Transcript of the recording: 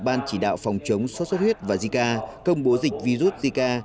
ban chỉ đạo phòng chống sốt xuất huyết và zika công bố dịch virus zika